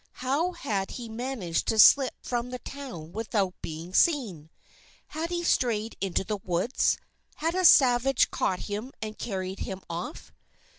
How had he managed to slip from the town without being seen? Had he strayed into the woods? Had a savage caught him and carried him off?